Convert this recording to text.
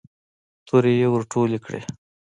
تورې يې ور ټولې کړې.